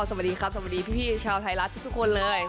สวัสดีครับสวัสดีพี่ชาวไทยรัฐทุกคนเลย